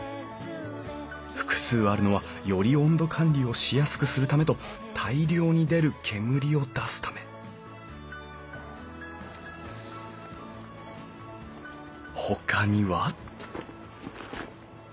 複数あるのはより温度管理をしやすくするためと大量に出る煙を出すためほかには？